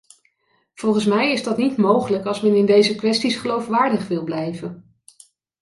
Volgens mij is dat niet mogelijk als men in deze kwesties geloofwaardig wil blijven.